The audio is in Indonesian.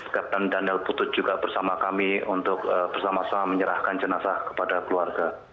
kapten daniel putut juga bersama kami untuk bersama sama menyerahkan jenazah kepada keluarga